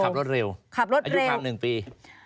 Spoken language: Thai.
ขับรถเร็วอายุความ๑ปี